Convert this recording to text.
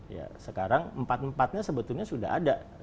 ya sekarang empat empatnya sebetulnya sudah ada